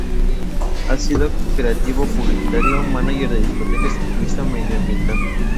Ha sido creativo publicitario, mánager de discotecas y activista medioambiental.